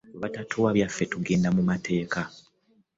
Bwe batatuwa byaffe tugenda mu mateeka.